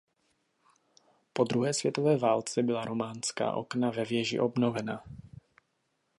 Po druhé světové válce byla románská okna ve věži obnovena.